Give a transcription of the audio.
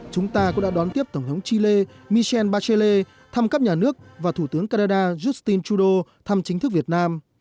chúng ta cũng đã đón tiếp tổng thống chile michel bachelle thăm cấp nhà nước và thủ tướng canada justin trudeau thăm chính thức việt nam